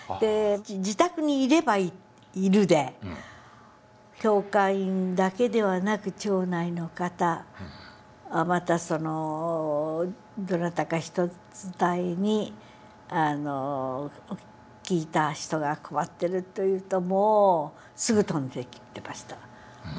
自宅にいればいるで教会だけではなく町内の方またどなたか人伝いに聞いた人が困ってるというともうすぐ飛んで行ってました。